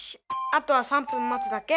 あとは３分待つだけ。